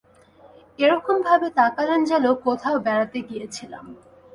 এরকমভাবে তাকালেন যেন কোথাও বেড়াতে গিয়েছিলাম।